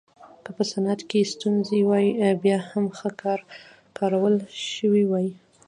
که په صنعت کې ستونزې وای بیا هم ښه کارول شوې وای